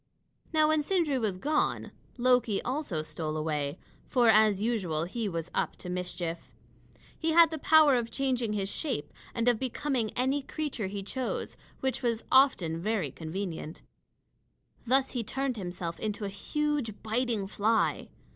Now when Sindri was gone, Loki also stole away; for, as usual, he was up to mischief. He had the power of changing his shape and of becoming any creature he chose, which was often very convenient. Thus he turned himself into a huge biting fly.